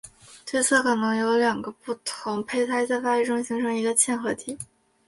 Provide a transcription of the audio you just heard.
推测可能是两个不同胚胎在发育中形成一个嵌合体。